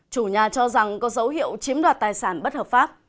chủ nhà cho rằng có dấu hiệu chiếm đoạt tài sản bất hợp pháp